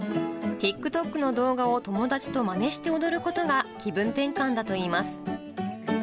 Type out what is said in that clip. ＴｉｋＴｏｋの動画を友達とまねして踊ることが気分転換だといいます。